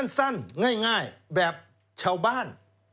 สั้นง่ายแบบชาวบ้าน